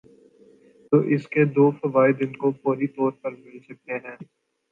تو اس کے دو فوائد ان کو فوری طور پر مل سکتے ہیں۔